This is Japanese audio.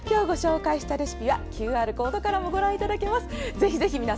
今日ご紹介したレシピはＱＲコードからもご覧いただけます。